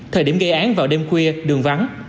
thời điểm gây án vào đêm khuya đường vắng